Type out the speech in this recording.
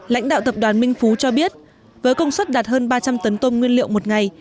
lãnh đạo tập đoàn minh phú cho biết với công suất đạt hơn ba trăm linh tấn tôm nguyên liệu một ngày